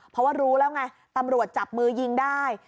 เพราะว่ารู้แล้วไงตำรวจจับมือยิงได้